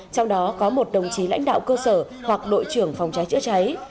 trong đó có một đồng chí lãnh đạo cơ sở hoặc đội trưởng phòng cháy chữa cháy